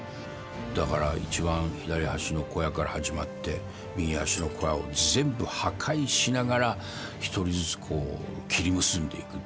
だから、いちばん左端の小屋から始まって、右端の小屋を全部破壊しながら、１人ずつこう切り結んでいくっていう。